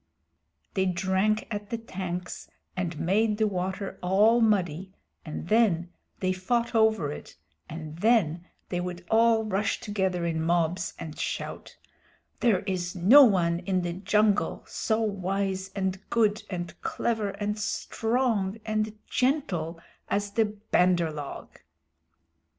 They drank at the tanks and made the water all muddy, and then they fought over it, and then they would all rush together in mobs and shout: "There is no one in the jungle so wise and good and clever and strong and gentle as the Bandar log."